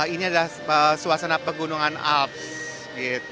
ini adalah suasana pegunungan alps